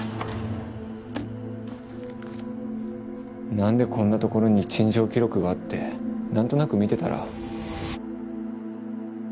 何でこんな所に陳情記録が？って何となく見てたら。